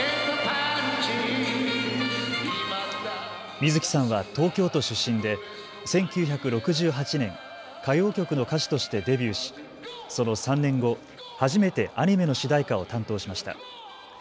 水木さんは東京都出身で１９６８年、歌謡曲の歌手としてデビューし、その３年後、初めてアニメの主題歌を担当しました。